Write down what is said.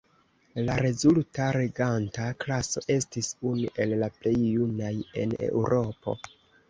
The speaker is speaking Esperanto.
La rezulta reganta klaso estis unu el la plej junaj en Eŭropo.